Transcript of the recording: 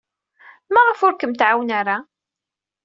Maɣef ur kem-tɛawen ara?